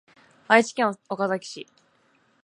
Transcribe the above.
愛知県岡崎市